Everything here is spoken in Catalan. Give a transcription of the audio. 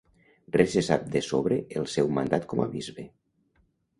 Res se sap de sobre el seu mandat com a bisbe.